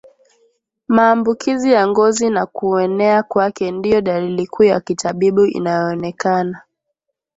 Maambukizi ya ngozi na kuenea kwake ndio dalili kuu ya kitabibu inayoonekana